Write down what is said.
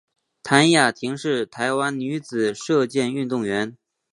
谭雅婷是台湾女子射箭运动员。